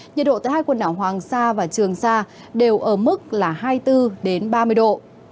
nhiệt độ tại hai quần đảo hoàng sa và trường sa đều ở mức là hai mươi bốn ba mươi độ